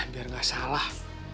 biar gak salah